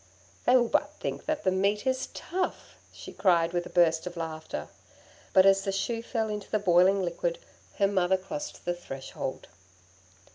'They will but think that the meat is tough!' she cried with a burst of laughter; but as the shoe fell into the boiling liquid her mother crossed the threshold.